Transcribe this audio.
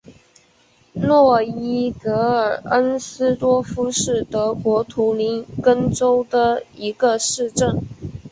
诺伊格尔恩斯多夫是德国图林根州的一个市镇。